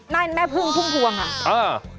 นั่นแม่พึ่งพุ่มพวงค่ะ